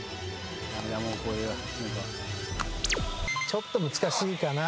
ちょっと難しいかな。